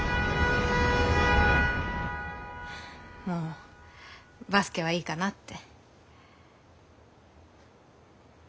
もうバスケはいいかなって。